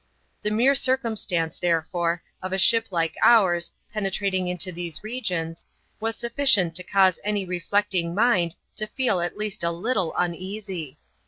The mere circumstance, therefore, of a ship like ours penetrating into these regions, was sufficient to cause any re flecting mind to feel at least a little uneasy.